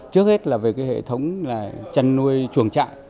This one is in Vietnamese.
cái hệ thống là chăn nuôi chuồng trại